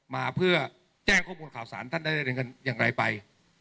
มาเพื่อแจ้งข้อมูลข่าวสารท่านได้เงินอย่างไรไป